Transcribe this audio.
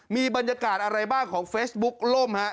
มีบรรยากาศอะไรบ้างของเฟซบุ๊คล่มฮะ